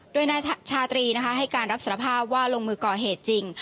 โดยนายชาตรีนะคะให้การรับสารภาพว่าลงมือก่อเหตุจริง